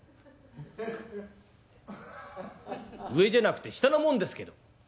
「上じゃなくて下の者ですけど。